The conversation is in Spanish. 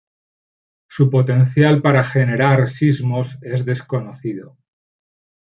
Su potencial para generar sismos es desconocido.